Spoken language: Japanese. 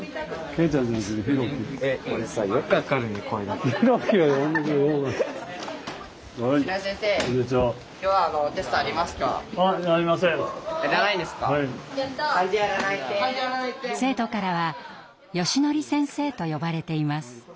生徒からは「よしのり先生」と呼ばれています。